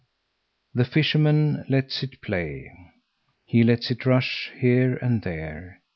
The fisherman lets it play. He lets it rush here and there.